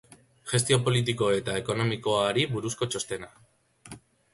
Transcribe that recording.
Gestio politiko eta ekonomikoari buruzko txostena.